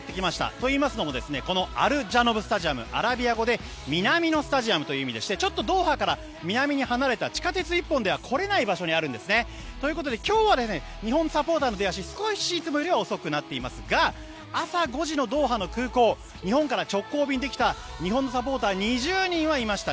といいますのもこのアルジャノブ・スタジアムアラビア語で南のスタジアムという意味でしてちょっとドーハから南に離れた地下鉄１本では来られない場所にあるんですね。ということで今日は、日本サポーターの出足はいつもより遅くなっていますが朝５時のドーハの空港日本から直行便で来たサポーターが２０人はいました。